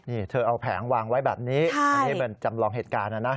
นี่เธอเอาแผงวางไว้แบบนี้อันนี้เป็นจำลองเหตุการณ์นะนะ